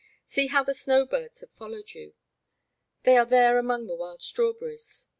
See how the snow birds have followed you. They are there among the wild strawberries.'